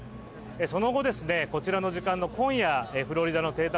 その後、こちらの時間の今夜フロリダの邸宅